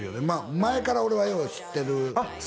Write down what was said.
まあ前から俺はよう知ってるあっ